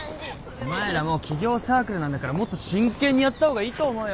お前らも起業サークルなんだからもっと真剣にやった方がいいと思うよ。